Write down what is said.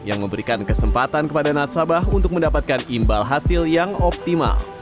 yang memberikan kesempatan kepada nasabah untuk mendapatkan imbal hasil yang optimal